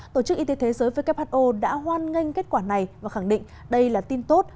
tổ chức y tế thế giới who đã hoan nghênh kết quả này và khẳng định đây là tin tốt